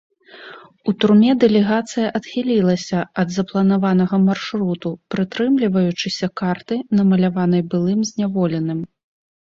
У турме дэлегацыя адхілілася ад запланаванага маршруту, прытрымліваючыся карты, намаляванай былым зняволеным.